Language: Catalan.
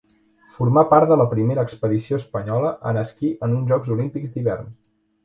Formà part de la primera expedició espanyola en esquí en uns Jocs Olímpics d'Hivern.